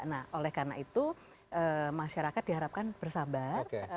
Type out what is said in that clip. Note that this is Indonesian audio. nah oleh karena itu masyarakat diharapkan bersabar